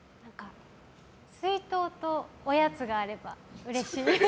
水筒とおやつがあればうれしい。